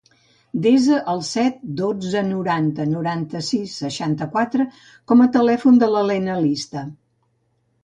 Desa el set, dotze, noranta, noranta-sis, seixanta-quatre com a telèfon de la Lena Lista.